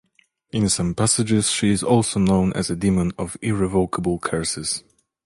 In some passages, she is also known as a demon of irrevocable curses.